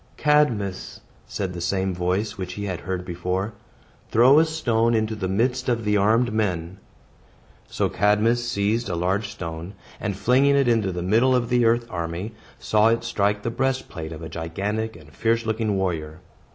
"Cadmus," said the same voice which he had before heard, "throw a stone into the midst of the armed men." So Cadmus seized a large stone, and flinging it into the middle of the earth army, saw it strike the breastplate of a gigantic and fierce looking warrior.